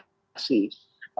apa kader nasdem dipulih